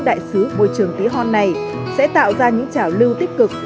đại sứ môi trường tí hon này sẽ tạo ra những trảo lưu tích cực